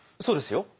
そうですよ。